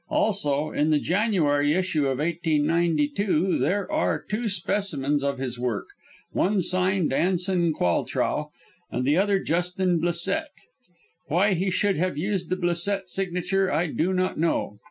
Also, in the January issue of 1892 there are two specimens of his work, one signed Anson Qualtraugh and the other Justin Blisset. Why he should have used the Blisset signature I do not know.